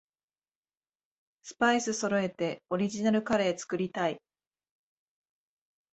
スパイスそろえてオリジナルカレー作りたい